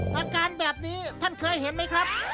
อาการแบบนี้ท่านเคยเห็นไหมครับ